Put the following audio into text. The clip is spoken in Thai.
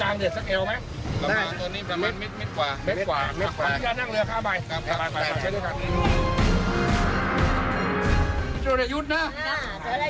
ถ้าคุณมีความรู้จริงถูกไหมครับใช่ครับ